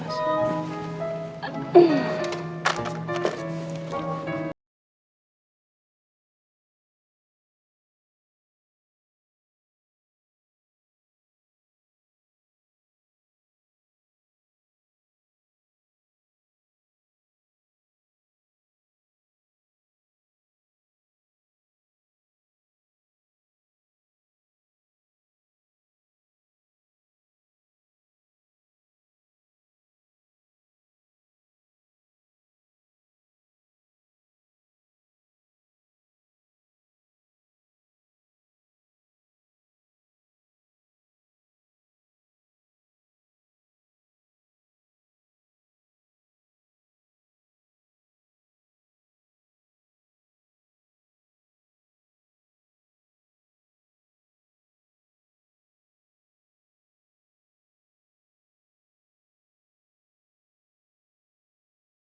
lip sticknya masih stay